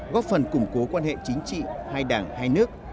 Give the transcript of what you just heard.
góp phần củng cố quan hệ chính trị hai đảng hai nước